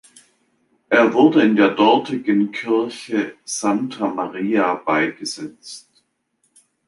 Er wurde in der dortigen Kirche Santa Maria beigesetzt.